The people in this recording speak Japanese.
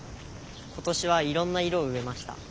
今年はいろんな色を植えました。